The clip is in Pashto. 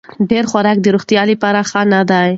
ډېر خوراک د روغتیا لپاره ښه نه دی.